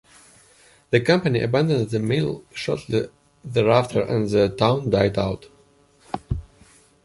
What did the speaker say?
The company abandoned the mill shortly thereafter and the town died out.